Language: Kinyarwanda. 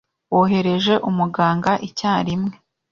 Bohereje umuganga icyarimwe.